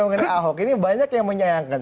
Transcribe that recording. mengenai ahok ini banyak yang menyayangkan